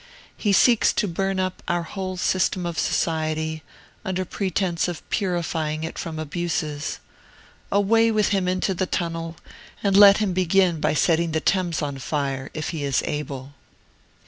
He seeks to burn up our whole system of society, under pretence of purifying it from its abuses! Away with him into the Tunnel, and let him begin by setting the Thames on fire, if he is able!